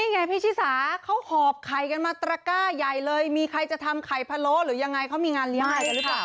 ไงพี่ชิสาเขาหอบไข่กันมาตระก้าใหญ่เลยมีใครจะทำไข่พะโล้หรือยังไงเขามีงานเลี้ยงอะไรกันหรือเปล่า